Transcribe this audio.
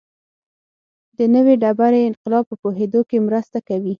د نوې ډبرې انقلاب په پوهېدو کې مرسته کوي.